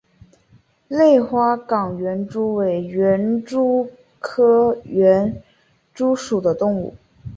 类花岗园蛛为园蛛科园蛛属的动物。